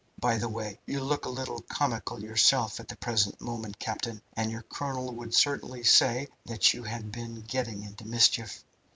By the way, you look a little comical yourself at the present moment, captain, and your colonel would certainly say that you had been getting into mischief.